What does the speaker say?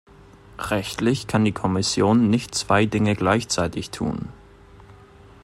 Rechtlich kann die Kommission nicht zwei Dinge gleichzeitig tun.